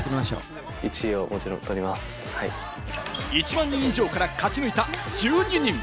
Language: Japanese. １万人以上から勝ち抜いた１２人。